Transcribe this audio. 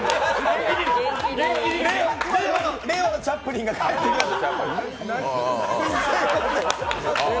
令和のチャップリンが帰ってきました！